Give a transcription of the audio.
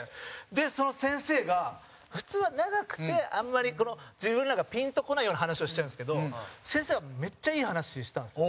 その先生が普通は長くて、あんまり自分なんか、ピンとこないような話をしちゃうんですけど先生は、めっちゃいい話してたんですよ。